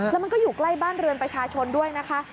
แล้วมันก็อยู่ใกล้บ้านเรือนประชาชนด้วยนะคะ